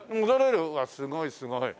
うわっすごいすごい。